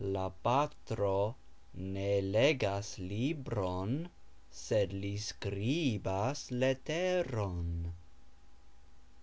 La patro ne legas libron, sed li skribas leteron.